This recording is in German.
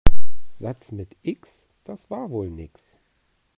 Satz mit X, das war wohl nix.